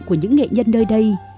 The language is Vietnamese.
của những nghệ nhân nơi đây